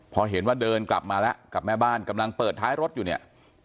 พอเห็นว่าเดินกลับมาแล้วกับแม่บ้านกำลังเปิดท้ายรถอยู่เนี่ย